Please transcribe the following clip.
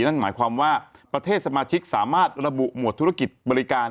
นั่นหมายความว่าประเทศสมาชิกสามารถระบุหมวดธุรกิจบริการ